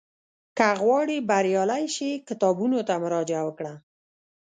که غواړې بریالی شې، کتابونو ته مراجعه وکړه.